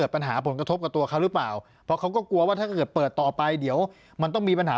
เพราะเขาก็กลัวว่าถ้าเกิดเปิดต่อไปเดี๋ยวมันต้องมีปัญหา